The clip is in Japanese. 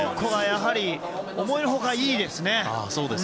やはり思いのほか、いいですね。